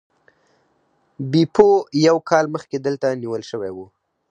بیپو یو کال مخکې دلته نیول شوی و.